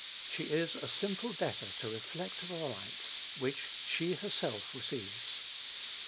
She is a simple debtor to reflect the light which she herself receives.